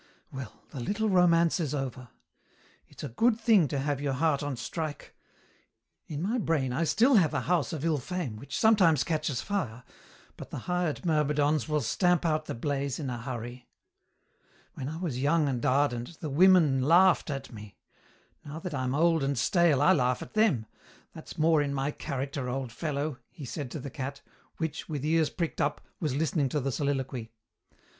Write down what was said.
"Well, the little romance is over. It's a good thing to have your heart on strike. In my brain I still have a house of ill fame, which sometimes catches fire, but the hired myrmidons will stamp out the blaze in a hurry. "When I was young and ardent the women laughed at me. Now that I am old and stale I laugh at them. That's more in my character, old fellow," he said to the cat, which, with ears pricked up, was listening to the soliloquy.